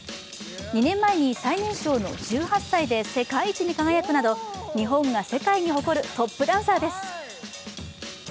２年前に最年少の１８歳で世界一に輝くなど日本が世界に誇るトップダンサーです。